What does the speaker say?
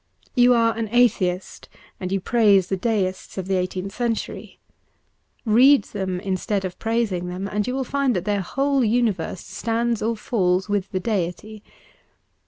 You are an Atheist, and you praise the deists of the eighteenth century. Read them instead of praising them, and you will find that their whole universe stands or falls with the deity.